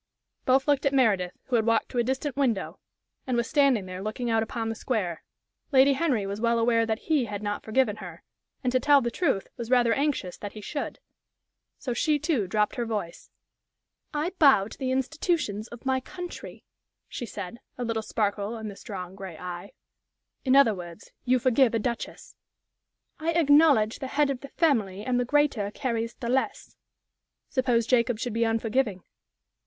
Both looked at Meredith, who had walked to a distant window and was standing there looking out upon the square. Lady Henry was well aware that he had not forgiven her, and, to tell the truth, was rather anxious that he should. So she, too, dropped her voice. "I bow to the institutions of my country," she said, a little sparkle in the strong, gray eye. "In other words, you forgive a duchess?" "I acknowledge the head of the family, and the greater carries the less." "Suppose Jacob should be unforgiving?"